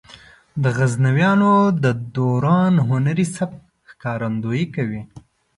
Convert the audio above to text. د غزنویانو د دوران هنري سبک ښکارندويي کوي.